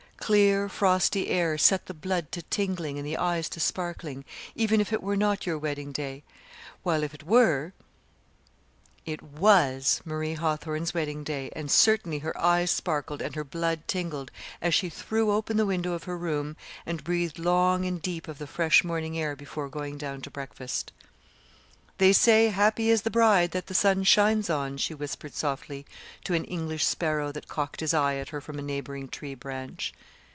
Clear, frosty air set the blood to tingling and the eyes to sparkling, even if it were not your wedding day; while if it were It was Marie Hawthorn's wedding day, and certainly her eyes sparkled and her blood tingled as she threw open the window of her room and breathed long and deep of the fresh morning air before going down to breakfast. "They say 'Happy is the bride that the sun shines on,'" she whispered softly to an English sparrow that cocked his eye at her from a neighboring tree branch.